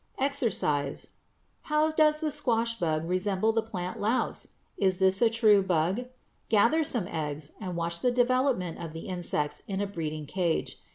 =EXERCISE= How does the squash bug resemble the plant louse? Is this a true bug? Gather some eggs and watch the development of the insects in a breeding cage.